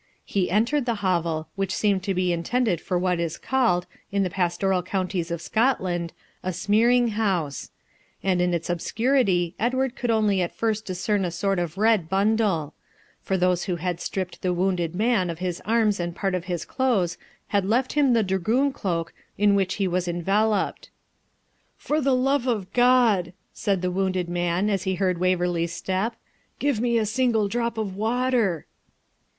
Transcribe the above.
He entered the hovel, which seemed to be intended for what is called, in the pastoral counties of Scotland, a smearing house; and in its obscurity Edward could only at first discern a sort of red bundle; for those who had stripped the wounded man of his arms and part of his clothes had left him the dragoon cloak in which he was enveloped. 'For the love of God,' said the wounded man, as he heard Waverley's step, 'give me a single drop of water!'